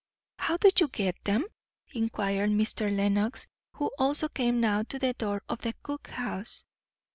"How do you get them?" inquired Mr. Lenox, who also came now to the door of the cook house.